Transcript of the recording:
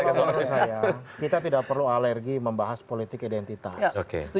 kalau menurut saya kita tidak perlu alergi membahas politik identitas